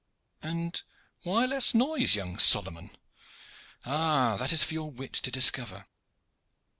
"And why less noise, young Solomon?" "Ah, that is for your wit to discover."